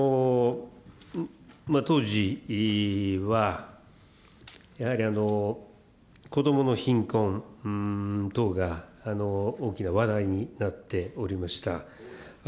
当時は、やはり、こどもの貧困等が大きな話題になっておりました。